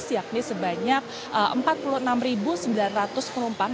yakni sebanyak empat puluh enam sembilan ratus penumpang